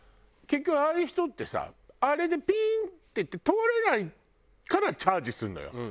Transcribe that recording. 結局ああいう人ってさあれでピーっていって通れないからチャージするのよ。